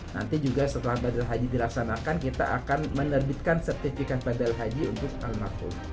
nanti juga setelah badal haji dilaksanakan kita akan menerbitkan sertifikat badal haji untuk almarhum